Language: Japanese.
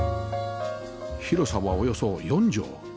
広さはおよそ４畳